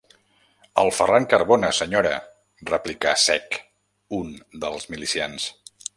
El Ferran Carbona, senyora! –replicà, sec, un dels milicians.